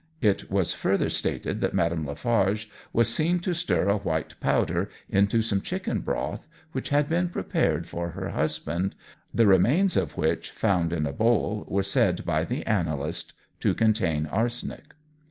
It was further stated that Madame Lafarge was seen to stir a white powder into some chicken broth which had been prepared for her husband, the remains of which, found in a bowl, were said by the analyst to contain arsenic.